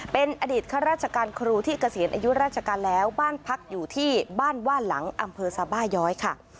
เป็นอดีตข้าราชการครูที่เกษียณอายุราชการแล้วบ้านพักอยู่ที่บ้านว่านหลังอำเภอสบาย้อยค่ะ